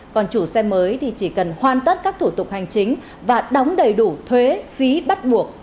còn chủ xe mới thì chỉ cần hoàn tất các thủ tục hành chính và đóng đầy đủ thuế phí bắt buộc